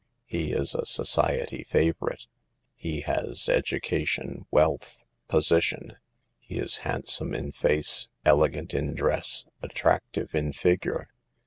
He is a " society favorite." He has education, wealth, position. He is handsome in face, elegant in dress, at tractive in figure.